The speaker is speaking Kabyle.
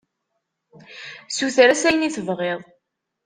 Suter-as ayen i tebɣiḍ.